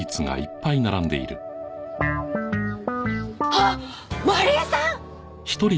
あっ真理絵さん！？